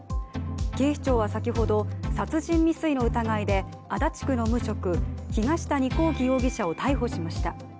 警視庁は先ほど殺人未遂の疑いで足立区の無職、東谷昂紀容疑者を逮捕しました。